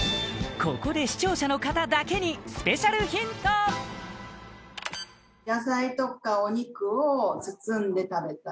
ここで視聴者の方だけにスペシャルヒント濱家！